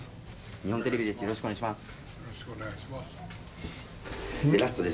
日本テレビです。